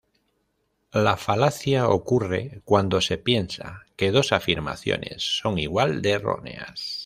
La falacia ocurre cuando se piensa que dos afirmaciones son igual de erróneas.